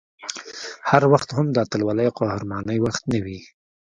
هر وخت هم د اتلولۍ او قهرمانۍ وخت نه وي